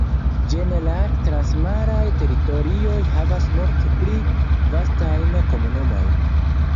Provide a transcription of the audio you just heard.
Ĝenerale, transmaraj teritorioj havas multe pli vastajn komunumojn.